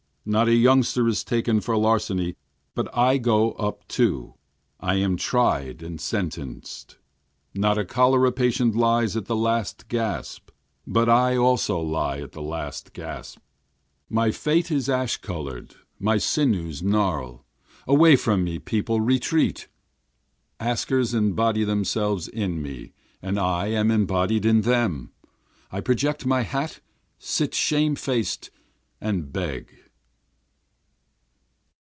Not a youngster is taken for larceny but I go up too, and am tried and sentenced. Not a cholera patient lies at the last gasp but I also lie at the last gasp, My face is ash colorâd, my sinews gnarl, away from me people retreat. Askers embody themselves in me and I am embodied in them, I project my hat, sit shame faced, and beg.